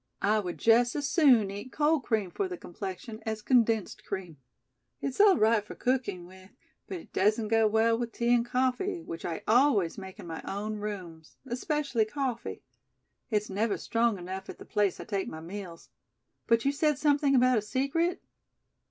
I would just as soon eat cold cream for the complexion as condensed cream. It's all right for cooking with, but it doesn't go well with tea and coffee, which I always make in my own rooms, especially coffee. It's never strong enough at the place I take my meals. But you said something about a secret?"